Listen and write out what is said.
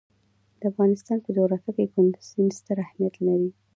د افغانستان په جغرافیه کې کندز سیند ستر اهمیت لري.